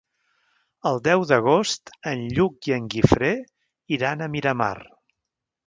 El deu d'agost en Lluc i en Guifré iran a Miramar.